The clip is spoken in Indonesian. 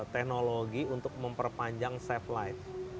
teknologi untuk memperpanjang safe light